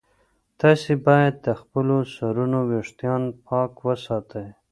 تاسي باید د خپلو سرونو ویښتان پاک وساتئ.